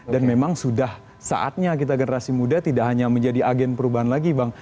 dan memang sudah saatnya kita generasi muda tidak hanya menjadi agen perubahan lagi bang